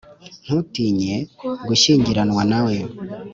Ntutinye gushyingiranwa na we